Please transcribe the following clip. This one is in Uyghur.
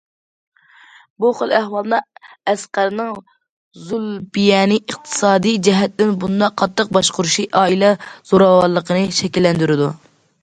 بۇ خىل ئەھۋالدا ئەسقەرنىڭ زۇلپىيەنى ئىقتىسادىي جەھەتتىن بۇنداق قاتتىق باشقۇرۇشى ئائىلە زوراۋانلىقىنى شەكىللەندۈرىدۇ.